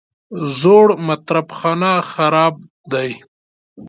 زوړ مطرب خانه خراب دی.